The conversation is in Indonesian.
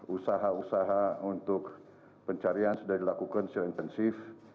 usaha usaha untuk pencarian sudah dilakukan secara intensif